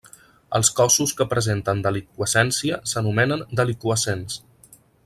Els cossos que presenten deliqüescència s'anomenen deliqüescents.